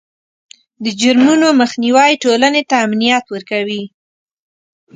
د جرمونو مخنیوی ټولنې ته امنیت ورکوي.